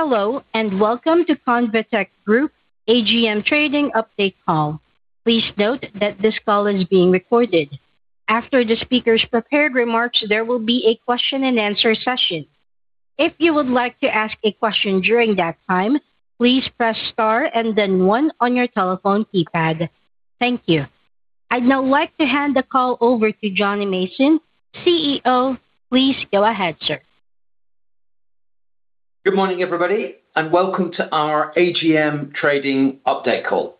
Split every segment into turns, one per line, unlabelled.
Hello, and welcome to ConvaTec Group AGM Trading update call. Please note that this call is being recorded. After the speakers' prepared remarks there will be a question-and-answer session. If you would like to ask a question during that time, please press star and then one on your telephone keypad. Thank you. I'd now like to hand the call over to Jonny Mason, CEO. Please go ahead, sir.
Good morning, everybody, and welcome to our AGM Trading update call.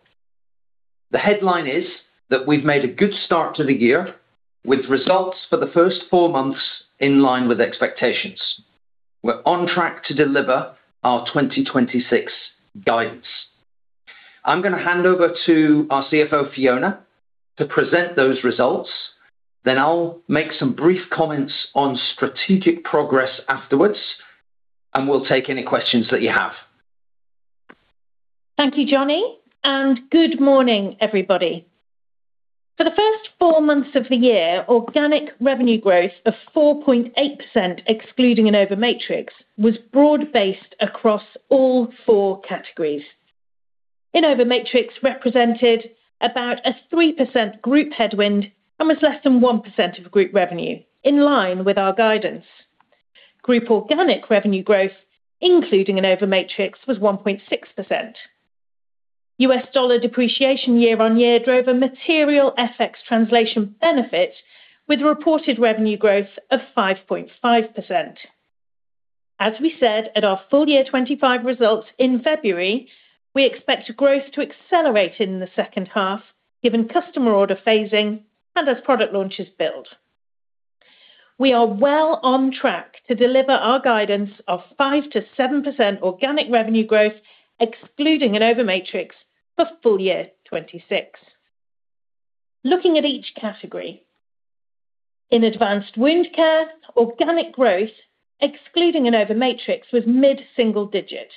The headline is that we've made a good start to the year with results for the first four months in line with expectations. We're on track to deliver our 2026 guidance. I'm going to hand over to our CFO, Fiona, to present those results, then I'll make some brief comments on strategic progress afterwards, and we'll take any questions that you have.
Thank you, Jonny, and good morning, everybody. For the first four months of the year, organic revenue growth of 4.8%, excluding InnovaMatrix, was broad-based across all four categories. InnovaMatrix represented about a 3% group headwind and was less than 1% of group revenue, in line with our guidance. Group organic revenue growth, including InnovaMatrix, was 1.6%. U.S. dollar depreciation year-over-year drove a material FX translation benefit with reported revenue growth of 5.5%. As we said at our full-year 2025 results in February, we expect growth to accelerate in the H2 given customer order phasing and as product launches build. We are well on track to deliver our guidance of 5%-7% organic revenue growth excluding InnovaMatrix for full-year 2026. Looking at each category. In Advanced Wound Care, organic growth, excluding InnovaMatrix, was mid-single digit.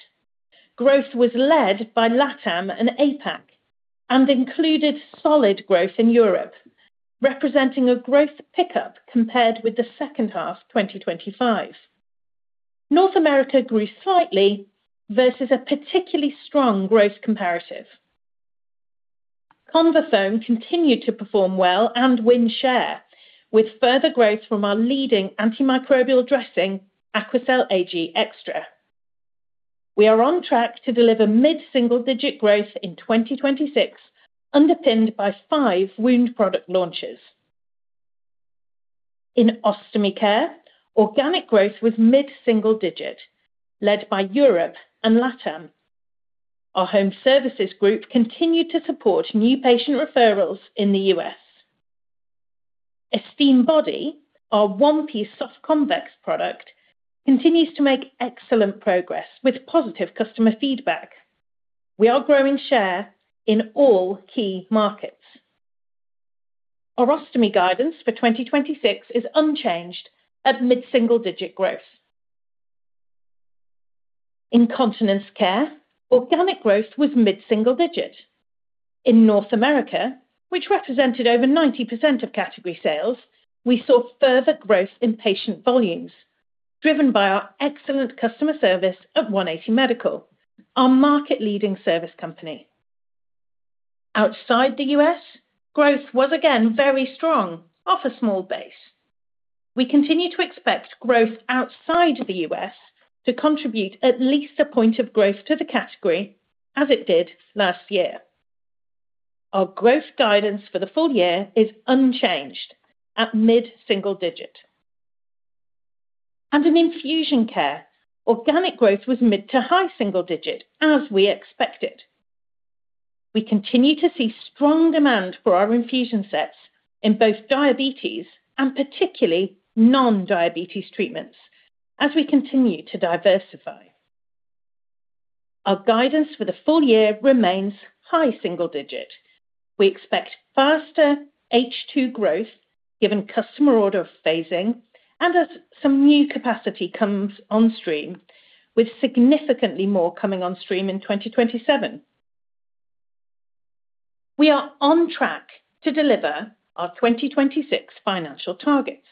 Growth was led by LATAM and APAC and included solid growth in Europe, representing a growth pickup compared with the H2 2025. North America grew slightly versus a particularly strong growth comparative. ConvaFoam continued to perform well and win share, with further growth from our leading antimicrobial dressing, AQUACEL Ag+ Extra. We are on track to deliver mid-single-digit growth in 2026, underpinned by five wound product launches. In ostomy care, organic growth was mid-single digit, led by Europe and LATAM. Our Home Services Group continued to support new patient referrals in the U.S. Esteem Body, our one-piece soft convex product, continues to make excellent progress with positive customer feedback. We are growing share in all key markets. Our ostomy guidance for 2026 is unchanged at mid-single digit growth. Continence Care, organic growth was mid-single digit. In North America, which represented over 90% of category sales, we saw further growth in patient volumes, driven by our excellent customer service at 180 Medical, our market-leading service company. Outside the U.S., growth was again very strong, off a small base. We continue to expect growth outside the U.S. to contribute at least a point of growth to the category as it did last year. Our growth guidance for the full-year is unchanged at mid-single digit. In Infusion Care, organic growth was mid to high single digit, as we expected. We continue to see strong demand for our infusion sets in both diabetes and particularly non-diabetes treatments as we continue to diversify. Our guidance for the full-year remains high single digit. We expect faster H2 growth given customer order phasing and as some new capacity comes on stream, with significantly more coming on stream in 2027. We are on track to deliver our 2026 financial targets.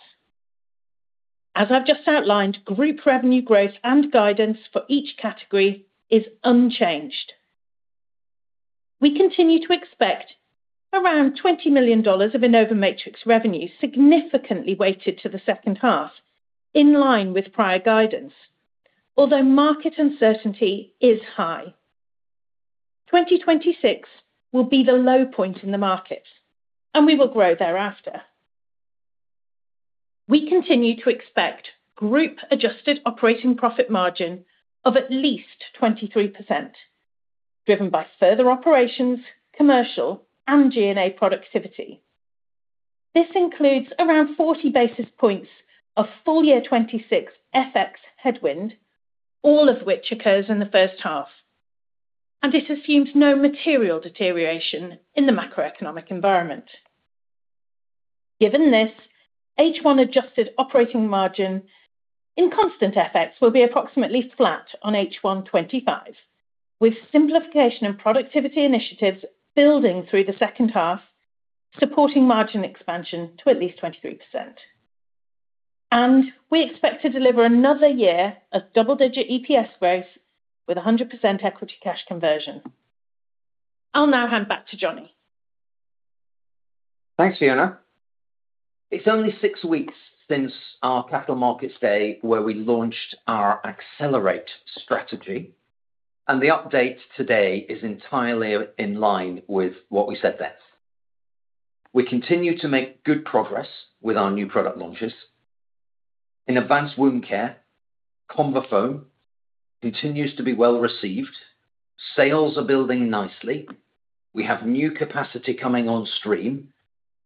As I've just outlined, group revenue growth and guidance for each category is unchanged. We continue to expect around GBP 20 million of InnovaMatrix revenue, significantly weighted to the H2, in line with prior guidance. Although market uncertainty is high. 2026 will be the low point in the market, and we will grow thereafter. We continue to expect group adjusted operating profit margin of at least 23%, driven by further operations, commercial, and G&A productivity. This includes around 40 basis points of full-year 2026 FX headwind, all of which occurs in the H1, and it assumes no material deterioration in the macroeconomic environment. Given this, H1 adjusted operating margin in constant FX will be approximately flat on H1 2025, with simplification and productivity initiatives building through the H2, supporting margin expansion to at least 23%. We expect to deliver another year of double-digit EPS growth with 100% equity cash conversion. I'll now hand back to Jonny.
Thanks, Fiona. It's only six weeks since our capital markets day, where we launched our accelerate strategy. The update today is entirely in line with what we said then. We continue to make good progress with our new product launches. In Advanced Wound Care, ConvaFoam continues to be well-received. Sales are building nicely. We have new capacity coming on stream,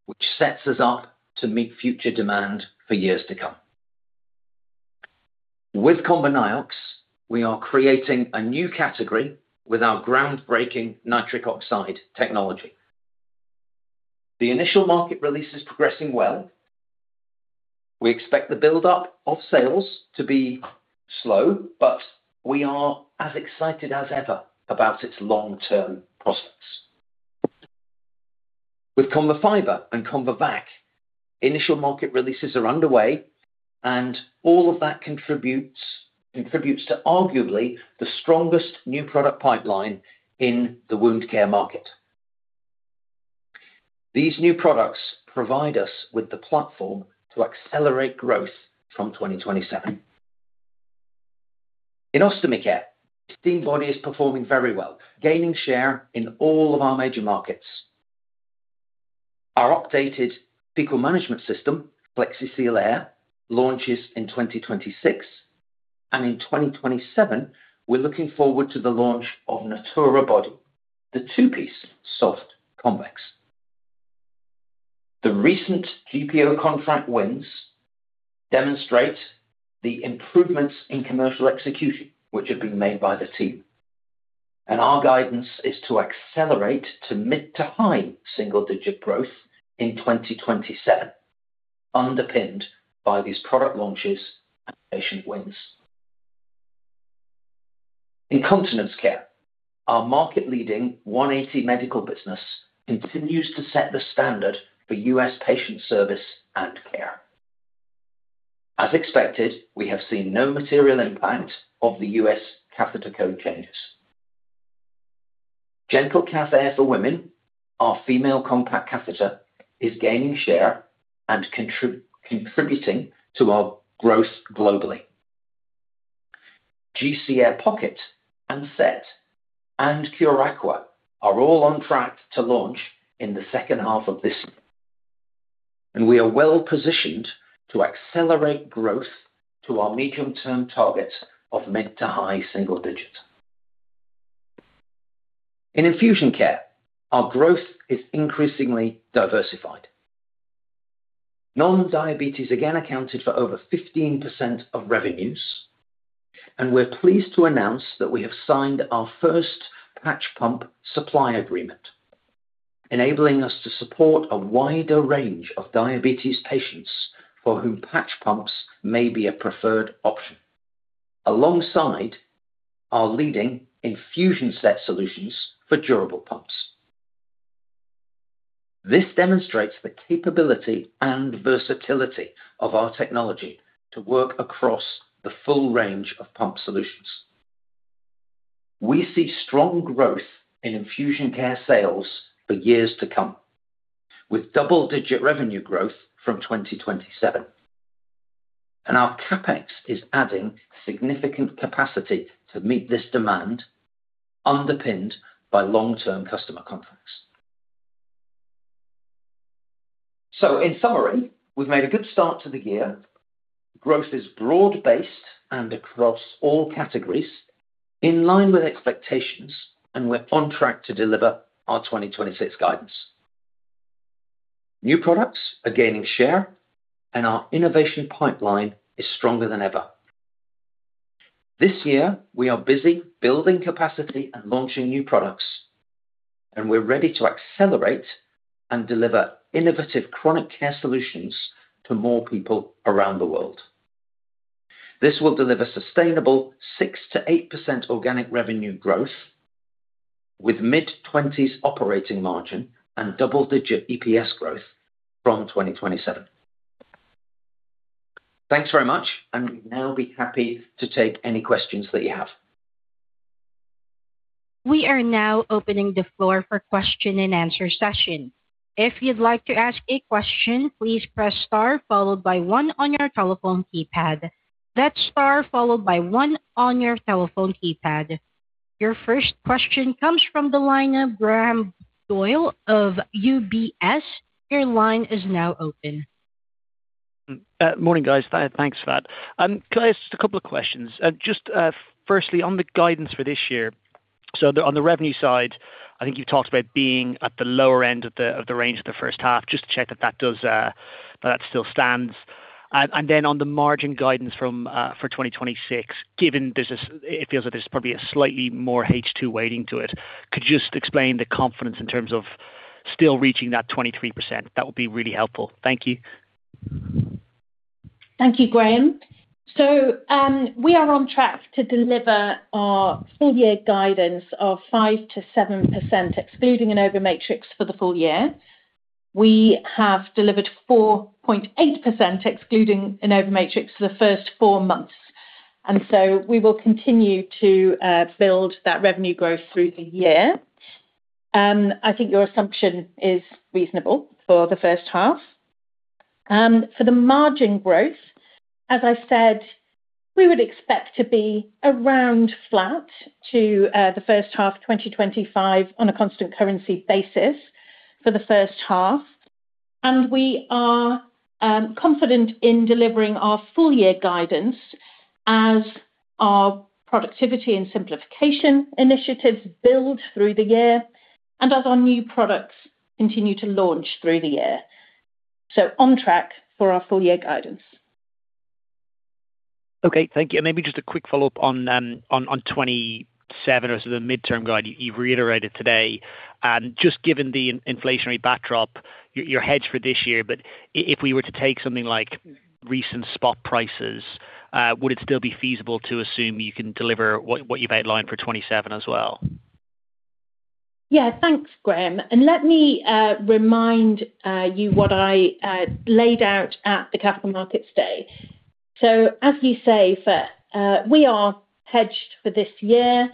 which sets us up to meet future demand for years to come. With ConvaNiox, we are creating a new category with our groundbreaking nitric oxide technology. The initial market release is progressing well. We expect the buildup of sales to be slow. We are as excited as ever about its long-term prospects. With ConvaFiber and ConvaVac, initial market releases are underway. All of that contributes to arguably the strongest new product pipeline in the wound care market. These new products provide us with the platform to accelerate growth from 2027. In Ostomy Care, Esteem Body is performing very well, gaining share in all of our major markets. Our updated fecal management system, Flexi-Seal AIR, launches in 2026, and in 2027, we're looking forward to the launch of Natura Body, the two-piece soft convex. The recent GPO contract wins demonstrate the improvements in commercial execution which have been made by the team, and our guidance is to accelerate to mid to high single-digit growth in 2027, underpinned by these product launches and patient wins. In Continence Care, our market leading 180 Medical business continues to set the standard for U.S. patient service and care. As expected, we have seen no material impact of the U.S. catheter code changes. GentleCath Air for Women, our female compact catheter, is gaining share and contributing to our growth globally. GC Air Pocket and Set and Cure Aqua are all on track to launch in the H2 of this year. We are well-positioned to accelerate growth to our medium-term targets of mid to high single digits. In Infusion Care, our growth is increasingly diversified. Non-diabetes again accounted for over 15% of revenues, and we're pleased to announce that we have signed our first patch pump supply agreement, enabling us to support a wider range of diabetes patients for whom patch pumps may be a preferred option, alongside our leading infusion set solutions for durable pumps. This demonstrates the capability and versatility of our technology to work across the full range of pump solutions. We see strong growth in Infusion Care sales for years to come, with double-digit revenue growth from 2027. Our CapEx is adding significant capacity to meet this demand, underpinned by long-term customer contracts. In summary, we've made a good start to the year. Growth is broad based and across all categories, in line with expectations, and we're on track to deliver our 2026 guidance. New products are gaining share, and our innovation pipeline is stronger than ever. This year, we are busy building capacity and launching new products, and we're ready to accelerate and deliver innovative chronic care solutions to more people around the world. This will deliver sustainable 6%-8% organic revenue growth with mid-20s operating margin and double-digit EPS growth from 2027. Thanks very much, and we'd now be happy to take any questions that you have.
We are now opening the floor for question-and-answer session. If you'd like to ask a question, please press star followed by one on your telephone keypad. That's star followed by one on your telephone keypad. Your first question comes from the line of Graham Doyle of UBS. Your line is now open.
Morning, guys. Thanks for that. Can I ask just a couple of questions? Just firstly, on the guidance for this year. On the revenue side, I think you've talked about being at the lower end of the range of the H1. Just to check that that still stands. On the margin guidance for 2026, given it feels like there's probably a slightly more H2 weighting to it, could you just explain the confidence in terms of still reaching that 23%? That would be really helpful. Thank you.
Thank you, Graham. We are on track to deliver our full-year guidance of 5%-7%, excluding InnovaMatrix for the full-year. We have delivered 4.8%, excluding InnovaMatrix for the first four months. We will continue to build that revenue growth through the year. I think your assumption is reasonable for the H1. For the margin growth, as I said, we would expect to be around flat to the H1 2025 on a constant currency basis for the H1. We are confident in delivering our full-year guidance as our productivity and simplification initiatives build through the year, and as our new products continue to launch through the year. On track for our full-year guidance.
Okay, thank you. Maybe just a quick follow-up on 2027 as the midterm guide you reiterated today. Just given the inflationary backdrop, you hedged for this year. If we were to take something like recent spot prices, would it still be feasible to assume you can deliver what you've outlined for 2027 as well?
Yeah. Thanks, Graham. Let me remind you what I laid out at the Capital Markets Day. As you say, we are hedged for this year.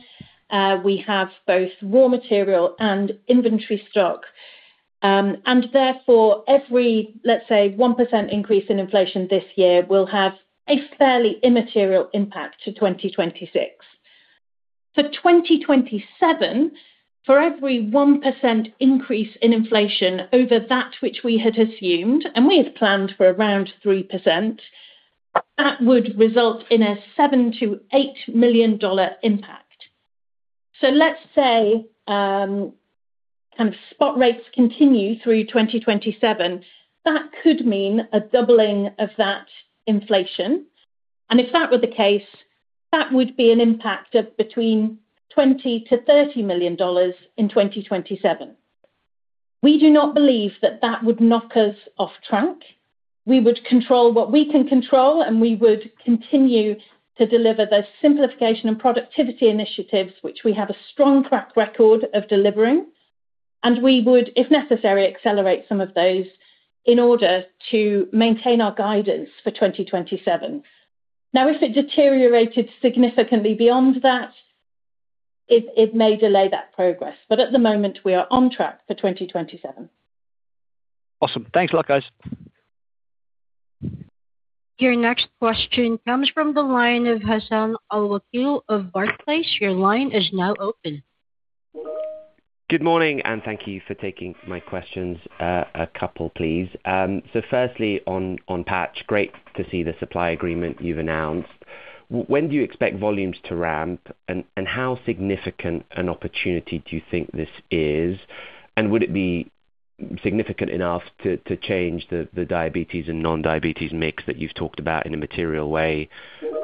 We have both raw material and inventory stock. Therefore every, let's say, 1% increase in inflation this year will have a fairly immaterial impact to 2026. For 2027, for every 1% increase in inflation over that which we had assumed, and we had planned for around 3%, that would result in a GBP 7 million-GBP 8 million impact. Let's say, spot rates continue through 2027. That could mean a doubling of that inflation. If that were the case, that would be an impact of between GBP 20 million-GBP 30 million in 2027. We do not believe that that would knock us off track. We would control what we can control, and we would continue to deliver those simplification and productivity initiatives, which we have a strong track record of delivering. We would, if necessary, accelerate some of those in order to maintain our guidance for 2027. Now, if it deteriorated significantly beyond that, it may delay that progress, but at the moment, we are on track for 2027.
Awesome. Thanks a lot, guys.
Your next question comes from the line of Hassan Al-Wakeel of Barclays. Your line is now open.
Good morning, and thank you for taking my questions. A couple, please. Firstly, on Patch, great to see the supply agreement you've announced. When do you expect volumes to ramp, and how significant an opportunity do you think this is? Would it be significant enough to change the diabetes and non-diabetes mix that you've talked about in a material way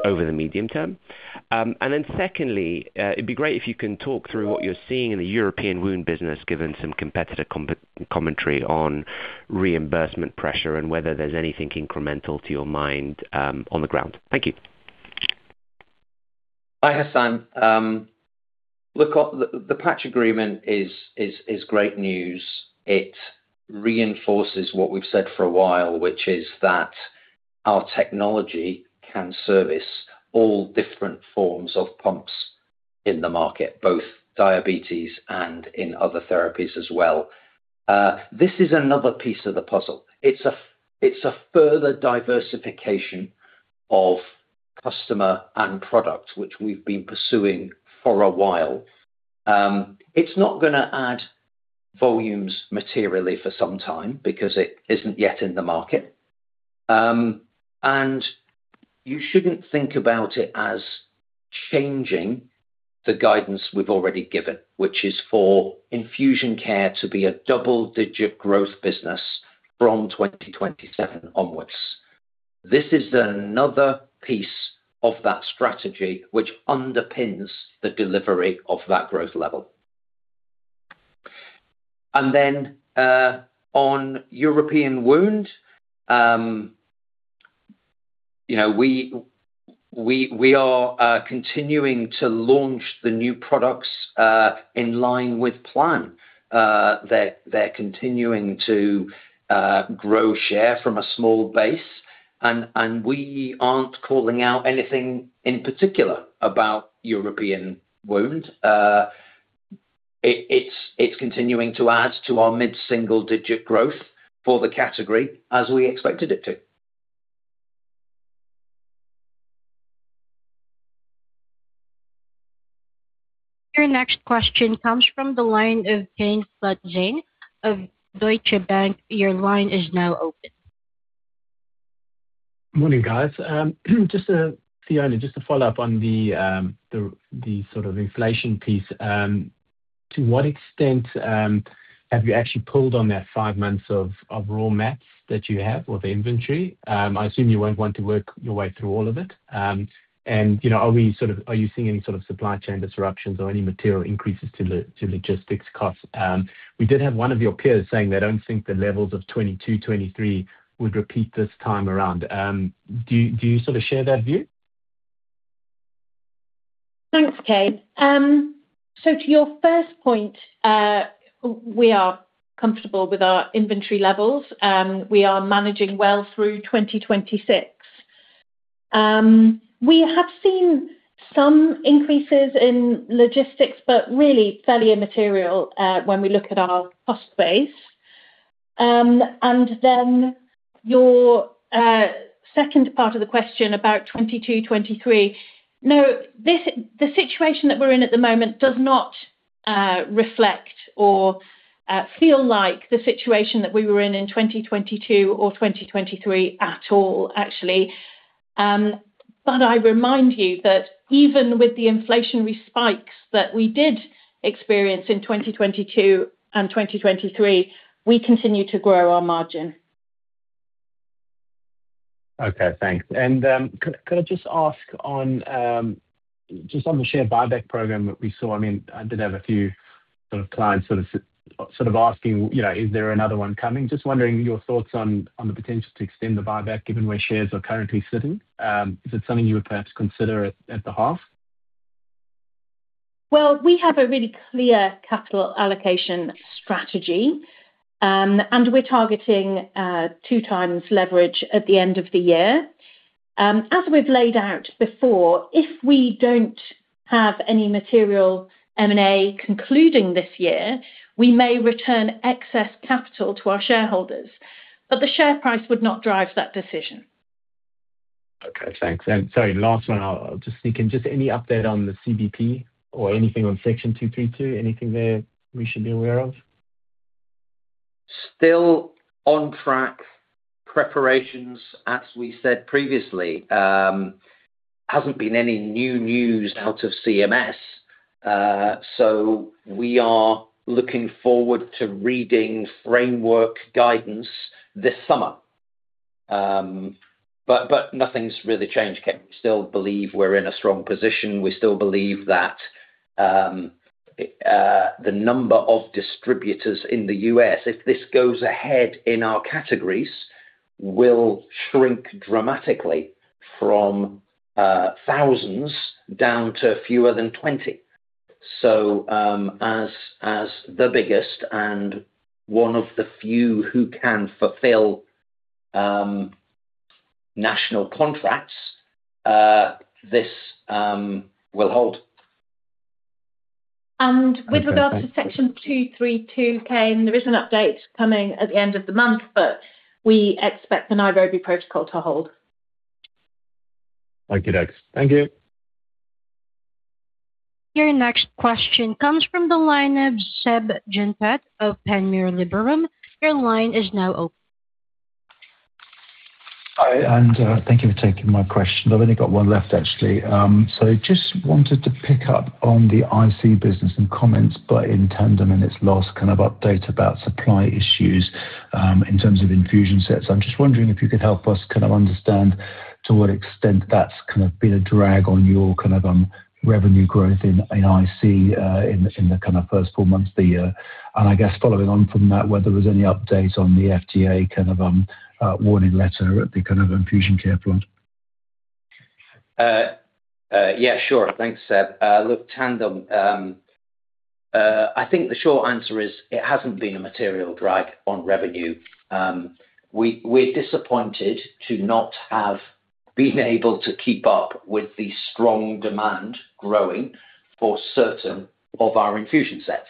over the medium term? Secondly, it'd be great if you can talk through what you're seeing in the European wound business, given some competitive commentary on reimbursement pressure and whether there's anything incremental to your mind on the ground. Thank you.
Hi, Hassan. Look, the Patch agreement is great news. It reinforces what we've said for a while, which is that our technology can service all different forms of pumps in the market, both diabetes and in other therapies as well. This is another piece of the puzzle. It's a further diversification of customer and product, which we've been pursuing for a while. It's not going to add volumes materially for some time because it isn't yet in the market. You shouldn't think about it as changing the guidance we've already given, which is for Infusion Care to be a double-digit growth business from 2027 onwards. This is another piece of that strategy which underpins the delivery of that growth level. On European wound, we are continuing to launch the new products, in line with plan. They're continuing to grow share from a small base, and we aren't calling out anything in particular about European wound. It's continuing to add to our mid-single-digit growth for the category as we expected it to.
Your next question comes from the line of Kane Slutzkin of Deutsche Bank. Your line is now open.
Morning, guys. Fiona, just to follow up on the inflation piece. To what extent have you actually pulled on that five months of raw mats that you have with inventory? I assume you won't want to work your way through all of it. Are you seeing any sort of supply chain disruptions or any material increases to logistics costs? We did have one of your peers saying they don't think the levels of 2022, 2023 would repeat this time around. Do you sort of share that view?
Thanks, Kane. To your first point, we are comfortable with our inventory levels. We are managing well through 2026. We have seen some increases in logistics, but really fairly immaterial when we look at our cost base. Then your second part of the question about 2022, 2023. No, the situation that we're in at the moment does not reflect or feel like the situation that we were in in 2022 or 2023 at all, actually. I remind you that even with the inflationary spikes that we did experience in 2022 and 2023, we continue to grow our margin.
Okay, thanks. Could I just ask just on the share buyback program that we saw? I did have a few clients sort of asking, is there another one coming? Just wondering your thoughts on the potential to extend the buyback given where shares are currently sitting? Is it something you would perhaps consider at the half?
Well, we have a really clear capital allocation strategy. We're targeting 2x leverage at the end of the year. As we've laid out before, if we don't have any material M&A concluding this year, we may return excess capital to our shareholders, but the share price would not drive that decision.
Okay, thanks. Sorry, last one, I'll just sneak in. Just any update on the CBP or anything on Section 232, anything there we should be aware of?
Still on track preparations as we said previously. Hasn't been any new news out of CMS. We are looking forward to reading framework guidance this summer. Nothing's really changed, Kane. We still believe we're in a strong position. We still believe that the number of distributors in the U.S., if this goes ahead in our categories, will shrink dramatically from thousands down to fewer than 20. As the biggest and one of the few who can fulfill national contracts, this will hold.
With regards to Section 232, Kane, there is an update coming at the end of the month, but we expect the Nairobi Protocol to hold.
[inaudible] Thank you.
Your next question comes from the line of Seb Jantet of Panmure Liberum. Your line is now open.
Hi, and thank you for taking my question. I've only got one left, actually. Just wanted to pick up on the IC business and comments by Tandem in its last update about supply issues in terms of infusion sets. I'm just wondering if you could help us kind of understand to what extent that's been a drag on your revenue growth in IC in the first four months of the year. I guess following on from that, whether there was any update on the FDA warning letter at the Infusion Care front.
Yeah, sure. Thanks, Seb. Look, Tandem. I think the short answer is it hasn't been a material drag on revenue. We're disappointed to not have been able to keep up with the strong demand growing for certain of our infusion sets.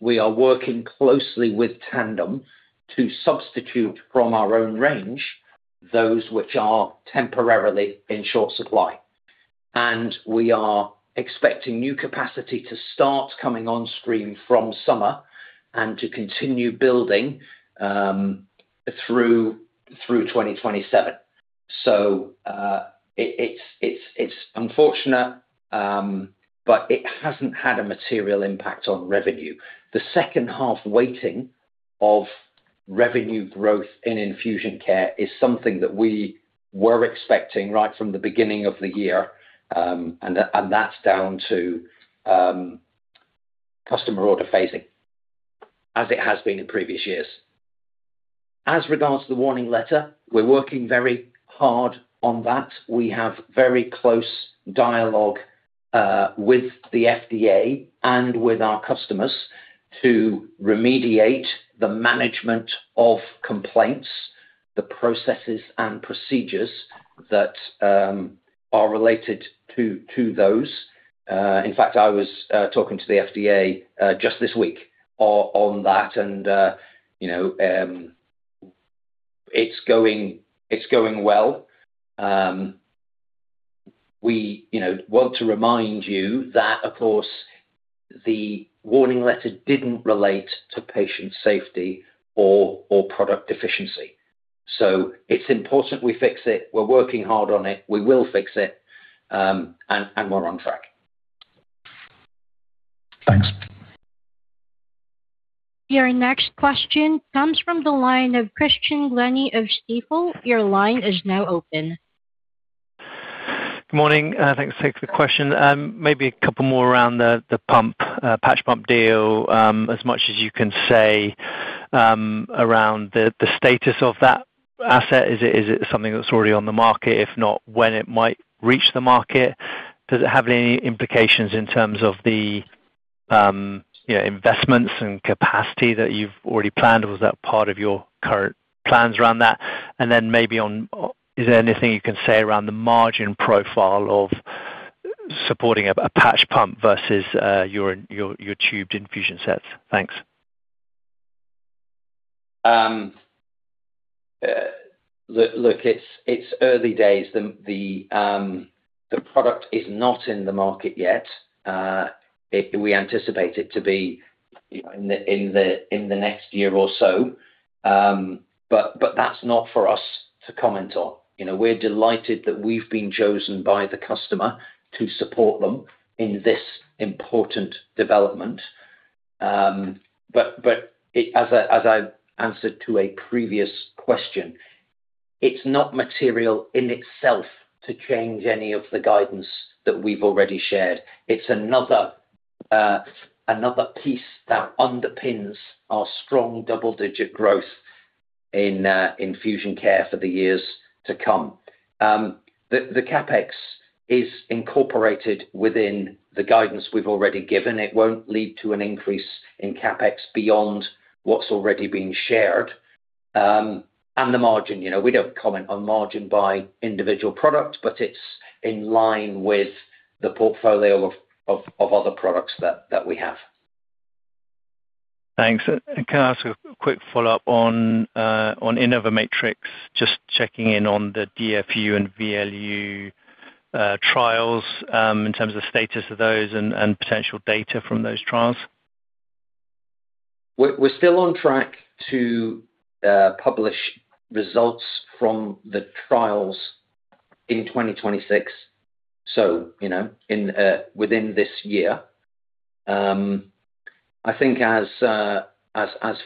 We are working closely with Tandem to substitute from our own range those which are temporarily in short supply. We are expecting new capacity to start coming on screen from summer and to continue building through 2027. It's unfortunate, but it hasn't had a material impact on revenue. The H2 weighting of revenue growth in Infusion Care is something that we were expecting right from the beginning of the year, and that's down to customer order phasing, as it has been in previous years. As regards to the warning letter, we're working very hard on that. We have very close dialogue with the FDA and with our customers to remediate the management of complaints, the processes and procedures that are related to those. In fact, I was talking to the FDA just this week on that, and it's going well. We want to remind you that, of course, the warning letter didn't relate to patient safety or product deficiency. It's important we fix it. We're working hard on it. We will fix it. We're on track.
Thanks.
Your next question comes from the line of Christian Glennie of Stifel. Your line is now open.
Good morning. Thanks for taking the question. Maybe a couple more around the patch pump deal, as much as you can say around the status of that asset. Is it something that's already on the market? If not, when it might reach the market? Does it have any implications in terms of the investments and capacity that you've already planned? Was that part of your current plans around that? Maybe is there anything you can say around the margin profile of supporting a patch pump versus your tubed infusion sets? Thanks.
Look, it's early days. The product is not in the market yet. We anticipate it to be in the next year or so. That's not for us to comment on. We're delighted that we've been chosen by the customer to support them in this important development. As I answered to a previous question, it's not material in itself to change any of the guidance that we've already shared. It's another piece that underpins our strong double-digit growth in Infusion Care for the years to come. The CapEx is incorporated within the guidance we've already given. It won't lead to an increase in CapEx beyond what's already been shared. The margin, we don't comment on margin by individual product, but it's in line with the portfolio of other products that we have.
Thanks. Can I ask a quick follow-up on InnovaMatrix, just checking in on the DFU and VLU trials, in terms of status of those and potential data from those trials?
We're still on track to publish results from the trials in 2026. Within this year. I think as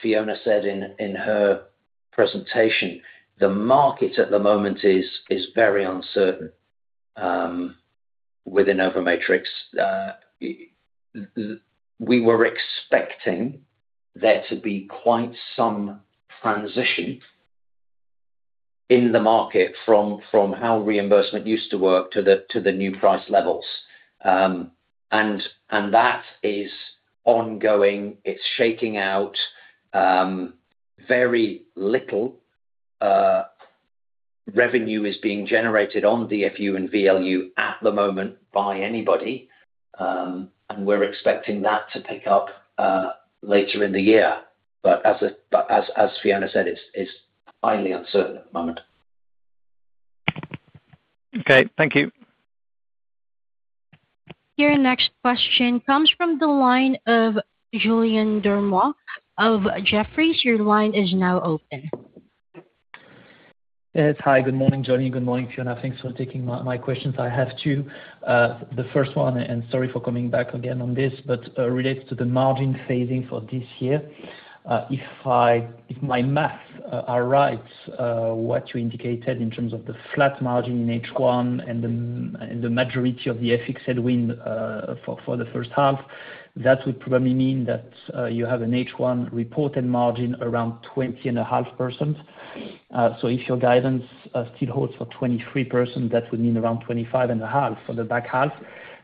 Fiona said in her presentation, the market at the moment is very uncertain with InnovaMatrix. We were expecting there to be quite some transition in the market from how reimbursement used to work to the new price levels. That is ongoing. It's shaking out. Very little revenue is being generated on DFU and VLU at the moment by anybody. We're expecting that to pick up later in the year. As Fiona said, it's highly uncertain at the moment.
Okay. Thank you.
Your next question comes from the line of Julien Dormois of Jefferies. Your line is now open.
Yes. Hi, good morning, Jonny. Good morning, Fiona. Thanks for taking my questions. I have two. The first one, sorry for coming back again on this, but relates to the margin phasing for this year. If my math are right, what you indicated in terms of the flat margin in H1 and the majority of the FX headwind for the H1, that would probably mean that you have an H1 reported margin around 20.5%. If your guidance still holds for 23%, that would mean around 25.5% for the back half.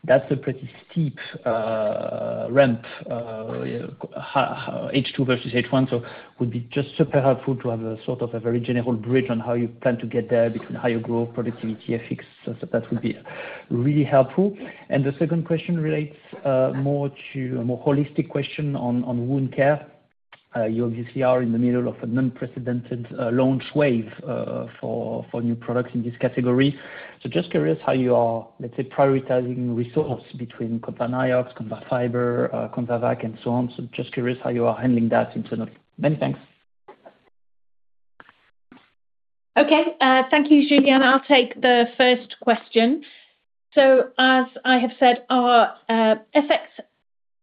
That's a pretty steep ramp H2 versus H1. Would be just super helpful to have a sort of a very general bridge on how you plan to get there between higher growth productivity FX. That would be really helpful. The second question relates more to a more holistic question on Wound Care. You obviously are in the middle of an unprecedented launch wave for new products in this category. Just curious how you are, let's say, prioritizing resource between ConvaNiox, ConvaFiber, ConvaVac, and so on. Just curious how you are handling that internally. Many thanks.
Okay. Thank you, Julien. I'll take the first question. As I have said, our FX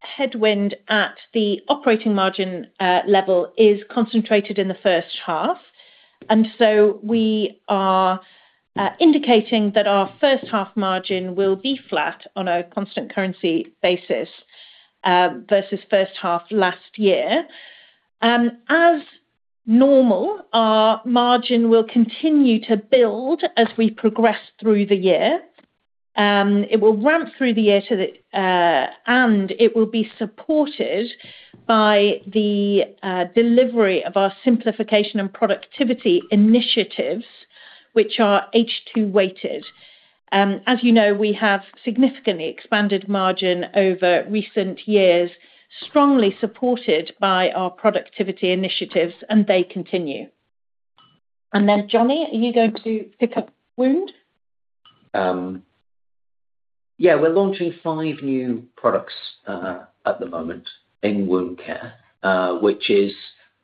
headwind at the operating margin level is concentrated in the H1. We are indicating that our H1 margin will be flat on a constant currency basis, versus H1 last year. As normal, our margin will continue to build as we progress through the year. It will ramp through the year, and it will be supported by the delivery of our simplification and productivity initiatives, which are H2 weighted. As you know, we have significantly expanded margin over recent years, strongly supported by our productivity initiatives, and they continue. Jonny, are you going to pick up wound?
Yeah. We're launching five new products at the moment in Wound Care, which is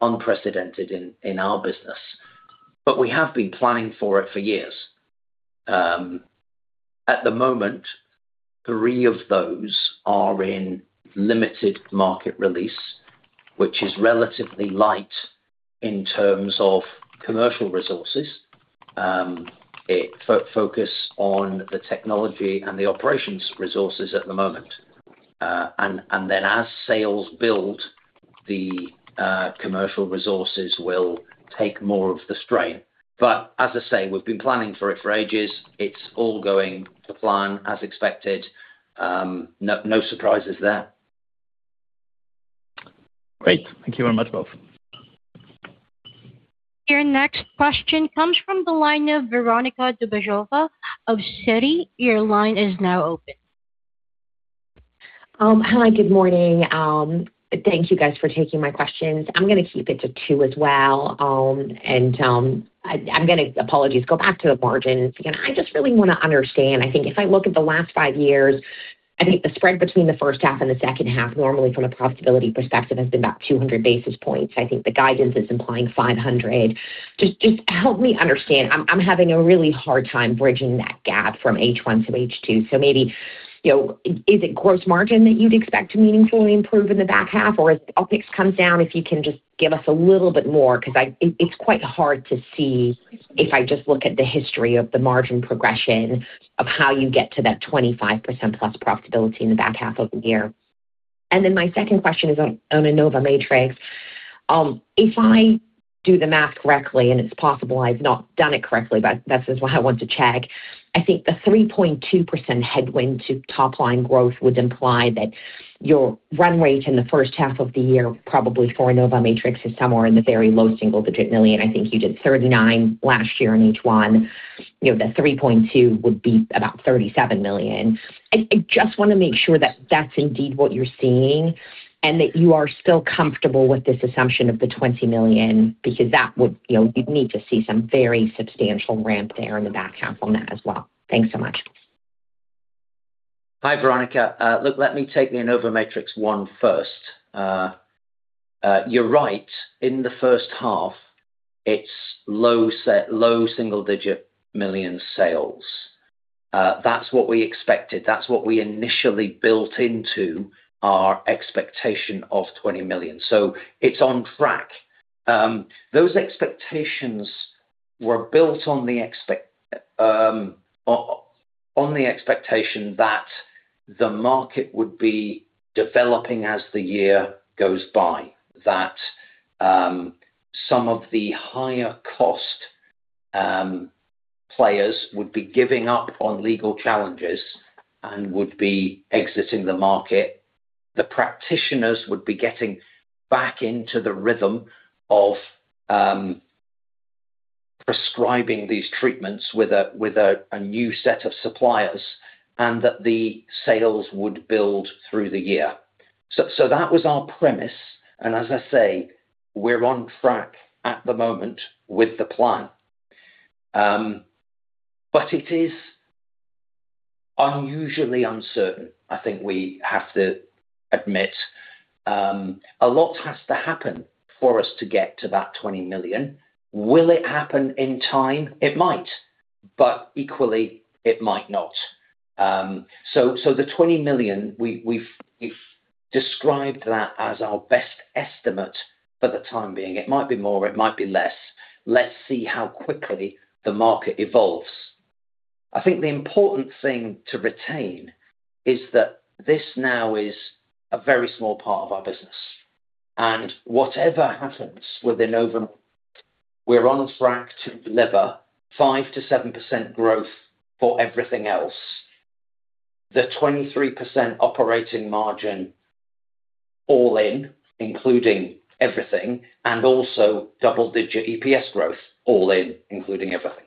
unprecedented in our business. We have been planning for it for years. At the moment, three of those are in limited market release, which is relatively light in terms of commercial resources. It focuses on the technology and the operations resources at the moment. As sales build, the commercial resources will take more of the strain. As I say, we've been planning for it for ages. It's all going to plan as expected. No surprises there.
Great. Thank you very much, both.
Your next question comes from the line of Veronika Dubajova of Citi. Your line is now open.
Hello, good morning. Thank you guys for taking my questions. I'm going to keep it to two as well. I'm going to, apologies, go back to the margins. Again, I just really want to understand, I think if I look at the last five years, I think the spread between the H1 and the H2, normally from a profitability perspective, has been about 200 basis points. I think the guidance is implying 500. Just help me understand. I'm having a really hard time bridging that gap from H1 to H2. Maybe, is it gross margin that you'd expect to meaningfully improve in the back half? As OpEx comes down, if you can just give us a little bit more, because it is quite hard to see if I just look at the history of the margin progression of how you get to that 25% plus profitability in the back half of the year. My second question is on InnovaMatrix. If I do the math correctly, and it is possible I have not done it correctly, but that is why I want to check. I think the 3.2% headwind to top-line growth would imply that your run rate in the H1 of the year, probably for InnovaMatrix, is somewhere in the very low single digit million. I think you did 39 million last year in H1. The 3.2 would be about 37 million. I just want to make sure that that's indeed what you're seeing, and that you are still comfortable with this assumption of the 20 million, because you'd need to see some very substantial ramp there in the back half on that as well. Thanks so much.
Hi, Veronika. Look, let me take the InnovaMatrix one first. You're right. In the H1, it's low single-digit million sales. That's what we expected. That's what we initially built into our expectation of 20 million. It's on track. Those expectations were built on the expectation that the market would be developing as the year goes by. That some of the higher-cost players would be giving up on legal challenges and would be exiting the market. The practitioners would be getting back into the rhythm of prescribing these treatments with a new set of suppliers, and that the sales would build through the year. That was our premise, and as I say, we're on track at the moment with the plan. It is unusually uncertain, I think we have to admit. A lot has to happen for us to get to that 20 million. Will it happen in time? It might, but equally it might not. The 20 million, we've described that as our best estimate for the time being. It might be more, it might be less. Let's see how quickly the market evolves. I think the important thing to retain is that this now is a very small part of our business. Whatever happens with Innova, we're on track to deliver 5%-7% growth for everything else. The 23% operating margin all in, including everything, and also double-digit EPS growth all in, including everything.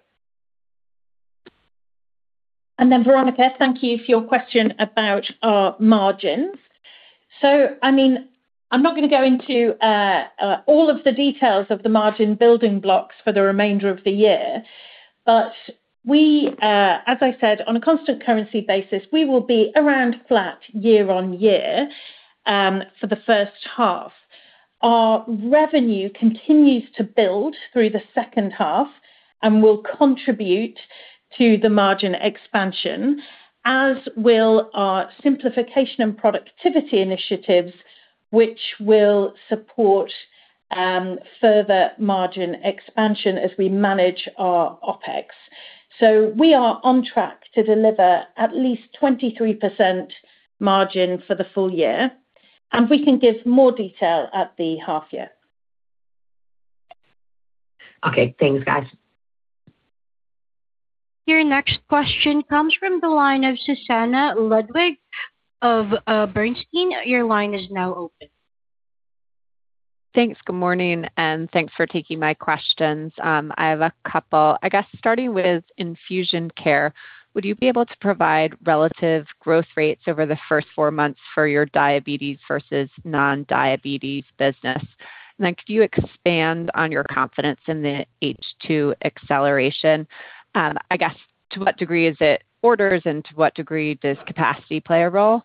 Veronika, thank you for your question about our margins. I'm not going to go into all of the details of the margin building blocks for the remainder of the year. As I said, on a constant currency basis, we will be around flat year-on-year for the H1. Our revenue continues to build through the H2 and will contribute to the margin expansion, as will our simplification and productivity initiatives, which will support further margin expansion as we manage our OpEx. We are on track to deliver at least 23% margin for the full-year, and we can give more detail at the half year.
Okay. Thanks, guys.
Your next question comes from the line of Susannah Ludwig of Bernstein. Your line is now open.
Thanks. Good morning, thanks for taking my questions. I have a couple. I guess starting with Infusion Care, would you be able to provide relative growth rates over the first four months for your diabetes versus non-diabetes business? Could you expand on your confidence in the H2 acceleration? I guess, to what degree is it orders and to what degree does capacity play a role?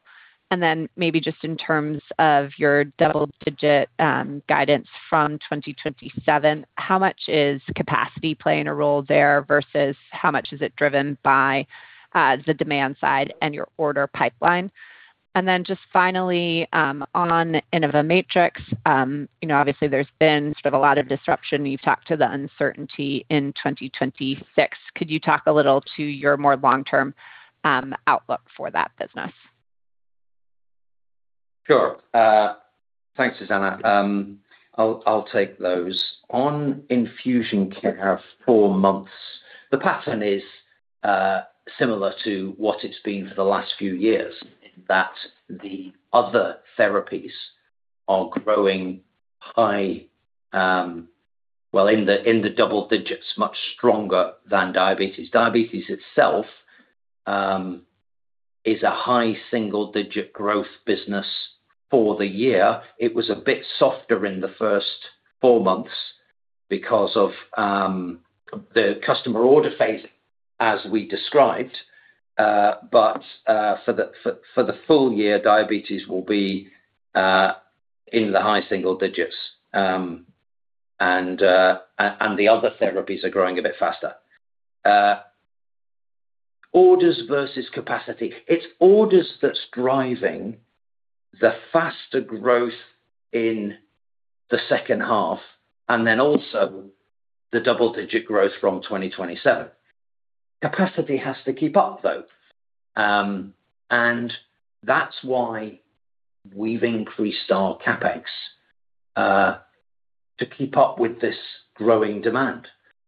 Maybe just in terms of your double-digit guidance from 2027, how much is capacity playing a role there versus how much is it driven by the demand side and your order pipeline? Just finally, on InnovaMatrix. Obviously, there's been a lot of disruption. You've talked to the uncertainty in 2026. Could you talk a little to your more long-term outlook for that business?
Sure. Thanks, Susannah. I'll take those. On Infusion Care four months, the pattern is similar to what it's been for the last few years, in that the other therapies are growing high, well in the double digits, much stronger than diabetes. Diabetes itself is a high single-digit growth business for the year. It was a bit softer in the first four months because of the customer order phase, as we described. For the full-year, diabetes will be in the high single digits. The other therapies are growing a bit faster. Orders versus capacity. It's orders that's driving the faster growth in the H2 and then also the double-digit growth from 2027. Capacity has to keep up, though. That's why we've increased our CapEx to keep up with this growing demand.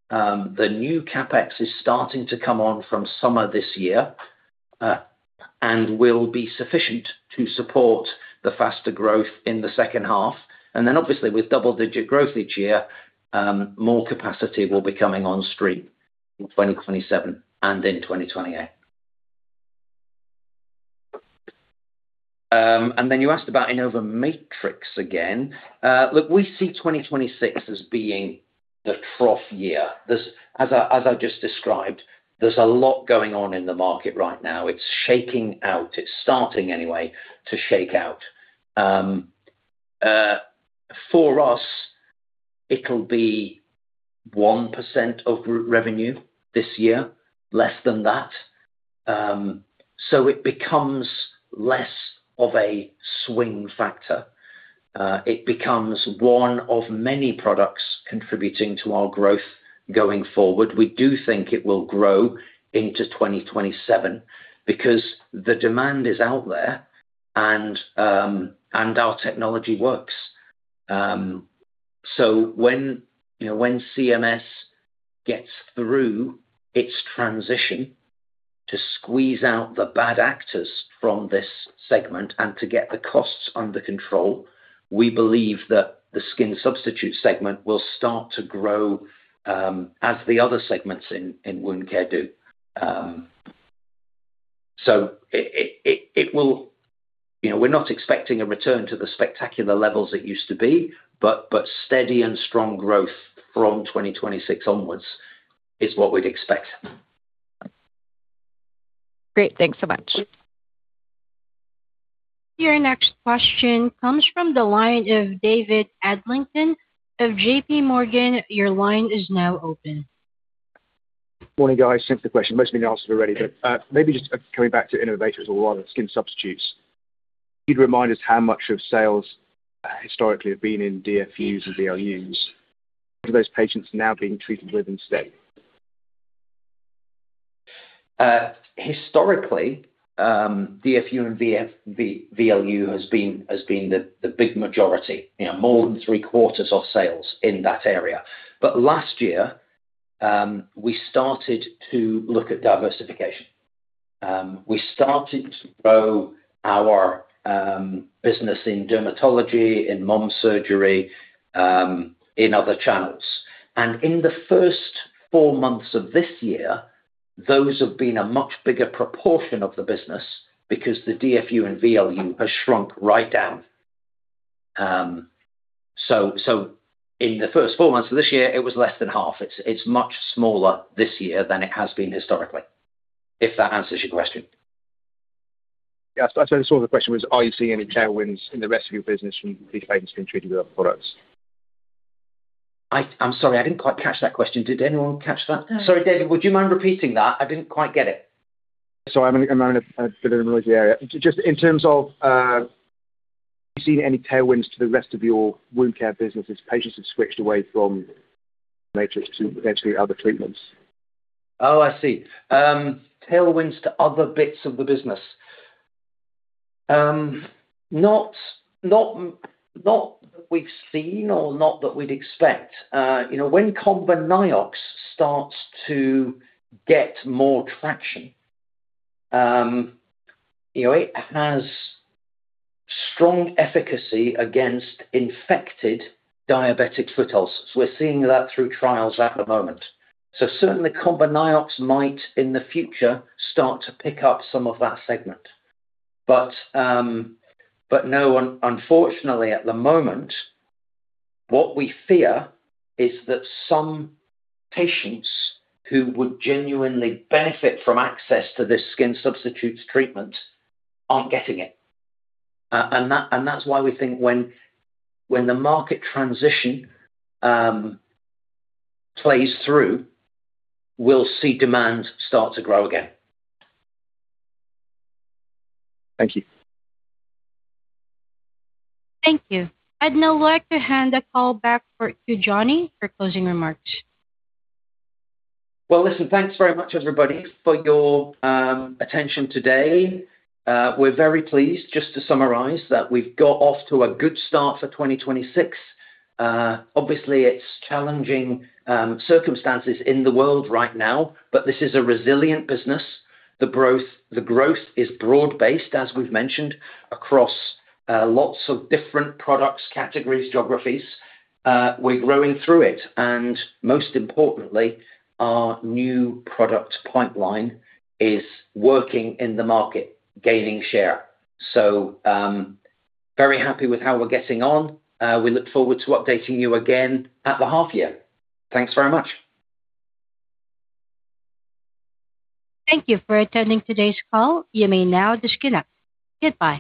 The new CapEx is starting to come on from summer this year and will be sufficient to support the faster growth in the H2. With double-digit growth each year, more capacity will be coming on stream in 2027 and in 2028. You asked about InnovaMatrix again. Look, we see 2026 as being the trough year. As I just described, there's a lot going on in the market right now. It's shaking out. It's starting anyway to shake out. For us, it'll be 1% of revenue this year, less than that. It becomes less of a swing factor. It becomes one of many products contributing to our growth going forward. We do think it will grow into 2027 because the demand is out there and our technology works. When CMS gets through its transition to squeeze out the bad actors from this segment and to get the costs under control, we believe that the skin substitute segment will start to grow, as the other segments in wound care do. We're not expecting a return to the spectacular levels it used to be, but steady and strong growth from 2026 onwards is what we'd expect.
Great. Thanks so much.
Your next question comes from the line of David Adlington of JPMorgan. Your line is now open.
Morning, guys. Simple question. Most have been answered already, but maybe just coming back to InnovaMatrix or rather skin substitutes. Can you remind us how much of sales historically have been in DFUs and VLUs? Are those patients now being treated with instead?
Historically, DFU and VLU has been the big majority more than three-quarters of sales in that area. Last year, we started to look at diversification. We started to grow our business in dermatology, in ostomy surgery, in other channels. In the first four months of this year, those have been a much bigger proportion of the business because the DFU and VLU has shrunk right down. In the first four months of this year, it was less than half. It's much smaller this year than it has been historically, if that answers your question.
Yes. I suppose the question was, are you seeing any tailwinds in the rest of your business from these patients being treated with other products?
I'm sorry. I didn't quite catch that question. Did anyone catch that? Sorry, David, would you mind repeating that? I didn't quite get it.
Sorry, I'm in a bit of a noisy area. Just in terms of have you seen any tailwinds to the rest of your wound care businesses, patients have switched away from InnovaMatrix to potentially other treatments?
Oh, I see. Tailwinds to other bits of the business. Not that we've seen or not that we'd expect. When ConvaNiox starts to get more traction, it has strong efficacy against infected diabetic foot ulcers. We're seeing that through trials at the moment. Certainly ConvaNiox might, in the future, start to pick up some of that segment. No, unfortunately at the moment, what we fear is that some patients who would genuinely benefit from access to this skin substitutes treatment aren't getting it. That's why we think when the market transition plays through, we'll see demand start to grow again.
Thank you.
Thank you. I'd now like to hand the call back to you, Jonny, for closing remarks.
Well, listen, thanks very much, everybody, for your attention today. We're very pleased, just to summarize, that we've got off to a good start for 2026. Obviously, it's challenging circumstances in the world right now. This is a resilient business. The growth is broad-based, as we've mentioned, across lots of different products, categories, geographies. We're growing through it. Most importantly, our new product pipeline is working in the market, gaining share. Very happy with how we're getting on. We look forward to updating you again at the half year. Thanks very much.
Thank you for attending today's call. You may now disconnect. Goodbye.